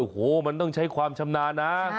โอ้โหมันต้องใช้ความชำนาญนะ